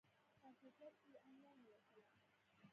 کمپیوټر کې یې انلاین وتله.